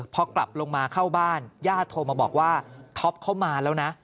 พอกลับลงมาเข้าบ้านญาติโทรมาบอกว่าท็อปเข้ามาแล้วนะ